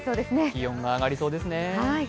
気温が上がりそうですね。